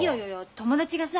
友達がさ